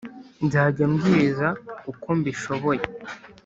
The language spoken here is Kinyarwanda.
nzajya mbwiriza uko mbishoboye